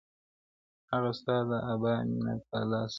هغه ستا د ابا مېنه تالا سوې-